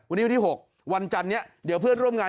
วันนี้วันที่๖วันจันนี้เดี๋ยวเพื่อนร่วมงาน